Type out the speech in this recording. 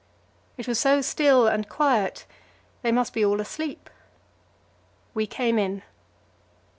It was so still and quiet they must be all asleep. We came in.